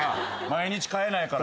毎日替えないから。